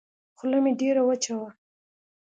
خوله مې ډېره وچه وه.